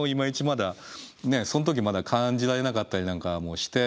まだそん時まだ感じられなかったりなんかもして。